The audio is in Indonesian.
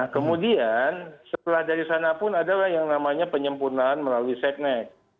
kemudian setelah dari sana pun ada yang namanya penyempurnaan melalui seknek